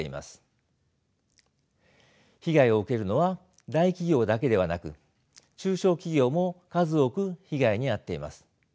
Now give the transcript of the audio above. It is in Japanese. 被害を受けるのは大企業だけではなく中小企業も数多く被害に遭っています。